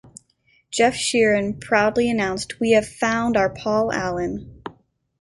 Geoff Sheerin proudly announced, "We have found our Paul Allen".